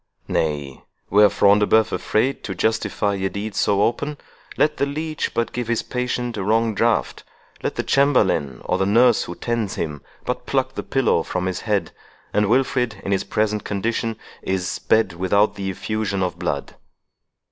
Nay, were Front de Bœuf afraid to justify a deed so open, let the leech but give his patient a wrong draught—let the chamberlain, or the nurse who tends him, but pluck the pillow from his head, and Wilfred in his present condition, is sped without the effusion of blood.